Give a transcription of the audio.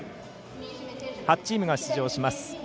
８チームが出場します。